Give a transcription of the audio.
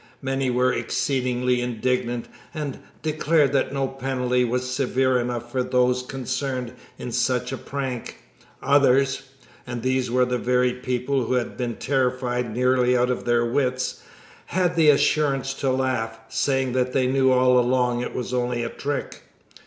Many were exceedingly indignant, and declared that no penalty was severe enough for those concerned in such a prank; others and these were the very people who had been terrified nearly out of their wits had the assurance to laugh, saying that they knew all along it was only a trick.